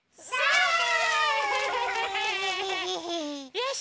よし！